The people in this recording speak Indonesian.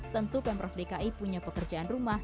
tentu pemprov dki punya pekerjaan rumah